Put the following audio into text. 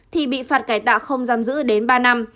thì bị phạt cải tạo không giam giữ đến ba năm